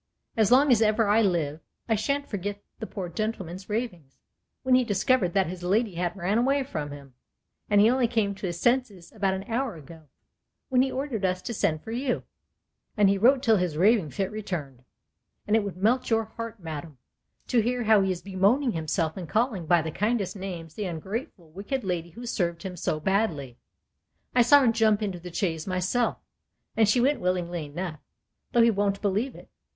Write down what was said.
As long as ever I live, I shan't forget the poor gentleman's ravings, when he discovered that his lady had ran away from him, and he only came to his senses about an hour ago, when he ordered us to send for you, and he wrote till his raving fit returned; and it would melt your heart, madam, to hear how he is bemoaning himself and calling by the kindest names the ungrateful wicked lady who served him so badly. I saw her jump into the chaise myself; and she went willingly enough, though he won't believe it.